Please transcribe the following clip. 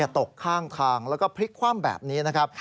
ตกข้างทางแล้วก็พลิกคว่ำแบบนี้นะครับ